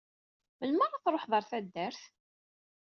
Melmi ara truḥeḍ ɣer taddart?